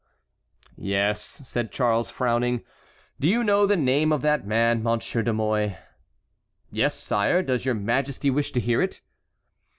"Yes," said Charles, frowning, "do you know the name of that man, Monsieur de Mouy?" "Yes, sire; does your Majesty wish to hear it?"